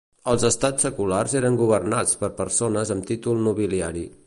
Els Estats seculars eren governats per persones amb títol nobiliari.